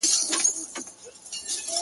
• له یوې خوني تر بلي پوري تلمه ,